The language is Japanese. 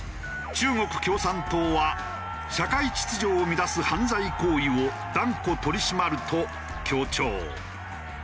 中国共産党は「社会秩序を乱す犯罪行為を断固取り締まる」と強調。